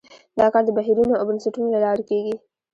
دا کار د بهیرونو او بنسټونو له لارې کیږي.